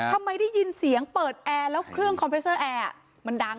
ทำไมได้ยินเสียงเปิดแอร์แล้วเครื่องคอมพิวเซอร์แอร์มันดัง